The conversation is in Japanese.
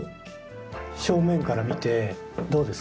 正面から見てどうですか？